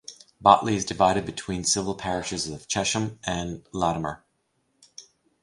Botley is divided between the civil parishes of Chesham and Latimer.